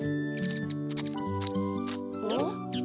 ん？